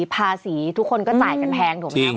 ภาษีทุกคนก็จ่ายกันแพงถูกไหมครับ